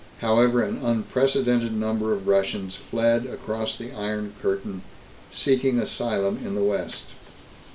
However, an unprecedented number of Russians fled across the Iron Curtain, seeking asylum in the West.